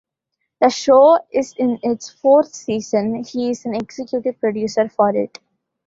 The show is in its fourth season; he is an executive producer for it.